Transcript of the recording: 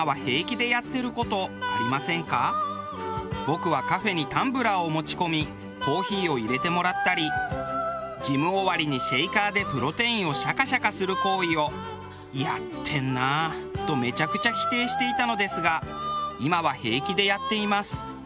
僕はカフェにタンブラーを持ち込みコーヒーを入れてもらったりジム終わりにシェイカーでプロテインをシャカシャカする行為を「やってんなあ」とめちゃくちゃ否定していたのですが今は平気でやっています。